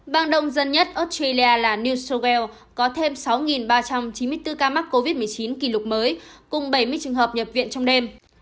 bang đông dân nhất australia là new south wales có thêm sáu ba trăm chín mươi bốn ca mắc covid một mươi chín kỷ lục mới cùng bảy mươi trường hợp nhập viện trong đêm